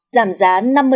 giảm giá năm mươi